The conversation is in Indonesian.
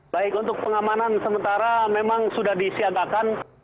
baik untuk pengamanan sementara memang sudah disiagakan